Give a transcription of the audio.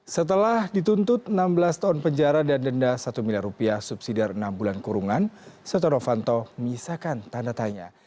setelah dituntut enam belas tahun penjara dan denda rp satu subsidi dari enam bulan kurungan setia novanto menyisakan tanda tanya